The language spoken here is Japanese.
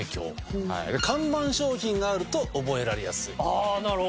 ああなるほど。